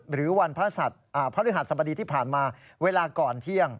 หรือวันพระฤหัสสบดีที่ผ่านมาเวลาก่อนเที่ยง